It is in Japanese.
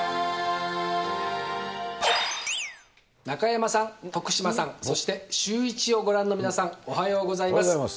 中山さん、徳島さん、そしてシューイチをご覧の皆さん、おはようございます。